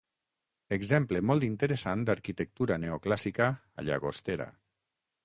Exemple molt interessant d'arquitectura neoclàssica a Llagostera.